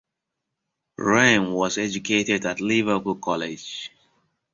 Ramm was educated at Liverpool College.